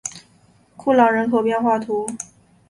库朗人口变化图示